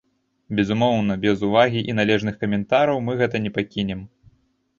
Безумоўна, без увагі і належных каментараў мы гэта не пакінем.